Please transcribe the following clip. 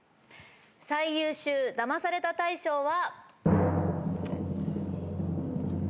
最優秀ダマされた大賞は。